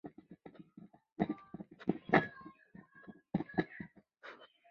浙台经贸合作区纳入省级开发区管理序列。